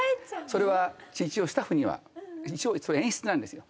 それは一応スタッフには一応それ演出なんですよ